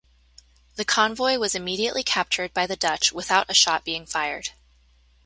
The convoy was immediately captured by the Dutch without a shot being fired.